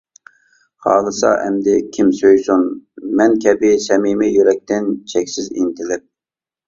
خالىسا ئەمدى كىم سۆيسۇن مەن كەبى، سەمىمىي يۈرەكتىن چەكسىز ئىنتىلىپ.